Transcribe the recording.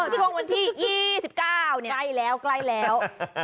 ช่วงวันที่๒๙ใกล้แล้ว